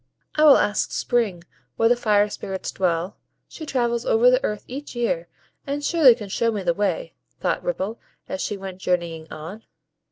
"I will ask Spring where the Fire Spirits dwell; she travels over the earth each year, and surely can show me the way," thought Ripple, as she went journeying on.